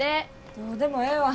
どうでもええわ。